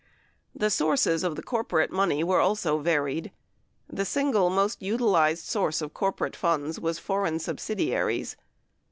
The sources of the corporate money also varied. The single most uti lized source of corporate funds was foreign subsidiaries.